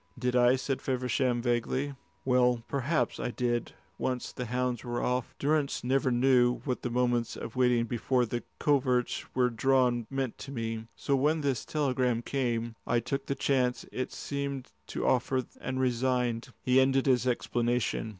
"Did I?" said Feversham, vaguely. "Well, perhaps I did, once the hounds were off. Durrance never knew what the moments of waiting before the coverts were drawn meant to me! So when this telegram came, I took the chance it seemed to offer and resigned." He ended his explanation.